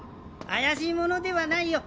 怪しい者ではないよ